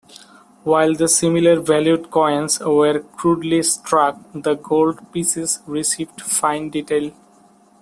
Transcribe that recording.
While the smaller valued coins were crudely struck, the gold pieces received fine detail.